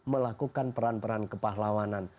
melakukan peran peran kepahlawanan